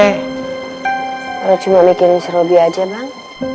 eh lu cuma mikirin si robby aja bang